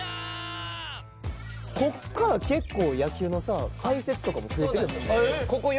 ここから結構野球の解説とかも増えてるよね。